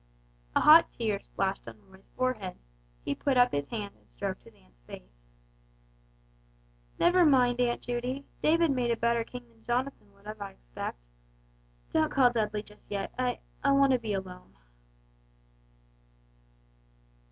A hot tear splashed on Roy's forehead; he put up his hand and stroked his aunt's face. "Never mind, Aunt Judy, David made a better king than Jonathan would have I expect. Don't call Dudley just yet I I want to be alone."